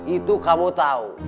itu kamu tau